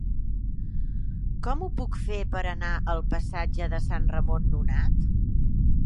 Com ho puc fer per anar al passatge de Sant Ramon Nonat?